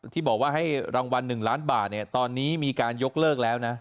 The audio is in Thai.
ที่บอกว่าให้รางวัล๑ล้านบาทตอนนี้มีการยกเลิกแล้วนะ